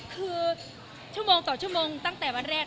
คือชั่วโมงต่อชั่วโมงตั้งแต่วันแรก